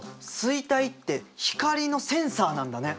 錐体って光のセンサーなんだね。